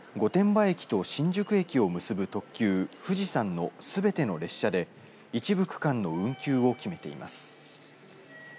御殿場線は御殿場駅と新宿駅を結ぶ特急ふじさんのすべての列車で一部区間の運休を決めています。